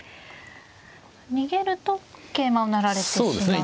逃げると桂馬を成られてしまう。